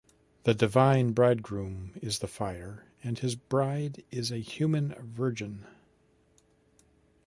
The divine bridegroom is the fire and his bride is a human virgin.